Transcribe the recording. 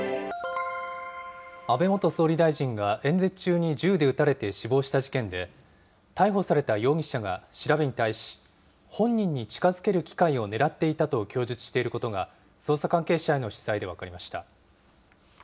安倍元総理大臣が演説中に銃で撃たれて死亡した事件で、逮捕された容疑者が調べに対し、本人に近づける機会を狙っていたと供述していることが、捜査関係者への取材で分かりました。